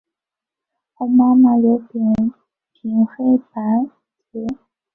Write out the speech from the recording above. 红玛瑙有扁平黑白阶。